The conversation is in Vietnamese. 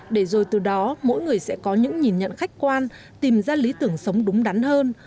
để rồi từ đó mỗi người sẽ có những nhìn nhận khách quan tìm ra lý tưởng sống đúng đắn hơn